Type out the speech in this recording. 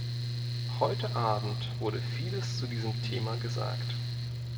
Heute Abend wurde vieles zu diesem Thema gesagt.